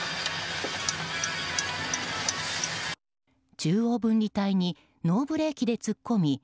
中央分離帯にノーブレーキで突っ込み